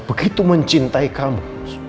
begitu mencintai kamu